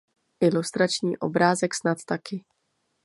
Ilustrační obrázek snad taky.